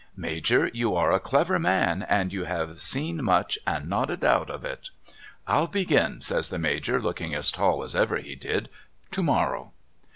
' Major you are a clever man and you have seen much and not a doubt of it.' ' I'll begin,' says the Major looking as tall as ever he did, ' to morrow.'